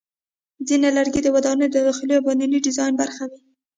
ځینې لرګي د ودانیو د داخلي او باندني ډیزاین برخه وي.